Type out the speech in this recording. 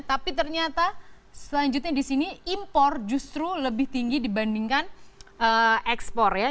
tapi ternyata selanjutnya di sini impor justru lebih tinggi dibandingkan ekspor ya